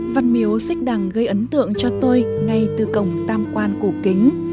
văn miếu xích đằng gây ấn tượng cho tôi ngay từ cổng tam quan cổ kính